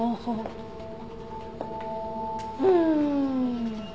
うん。